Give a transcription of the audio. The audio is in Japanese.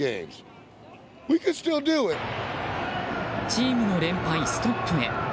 チームの連敗ストップへ。